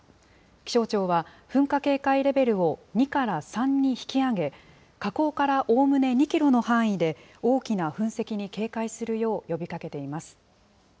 気象庁は、噴火警戒レベルを２から３に引き上げ、火口からおおむね２キロの範囲で、大きな噴石に警戒するよう呼びかけています。